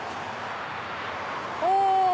お！